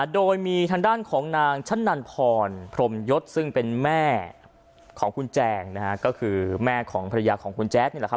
โดยมีทางด้านของนางชะนันพรพรมยศซึ่งเป็นแม่ของคุณแจงนะฮะก็คือแม่ของภรรยาของคุณแจ๊ดนี่แหละครับ